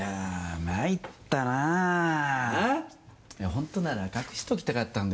ホントなら隠しときたかったんですよ。